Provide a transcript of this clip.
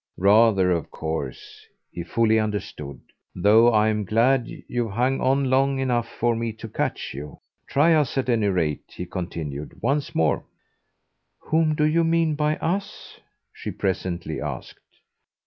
"Rather, of course!" he fully understood. "Though I'm glad you've hung on long enough for me to catch you. Try us at any rate," he continued, "once more." "Whom do you mean by 'us'?" she presently asked.